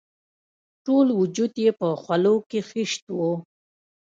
ټول وجود یې په خولو کې خیشت وو.